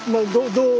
どう？